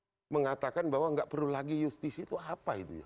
pak sarip kemudian mengatakan bahwa gak perlu lagi justisi itu apa itu